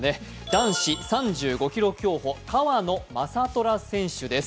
男子３５ｋｍ競歩、川野将虎選手です。